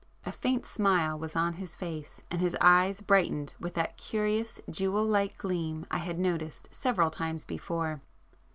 A faint smile was on his face, and his eyes brightened with that curious jewel like gleam I had noticed several times before.